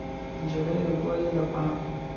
نجلۍ د ګل د پاڼو